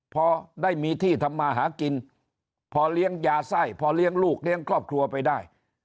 พอได้มีที่ทำมาหากินพอเลี้ยงยาไส้พอเลี้ยงลูกเลี้ยงครอบครัวไปได้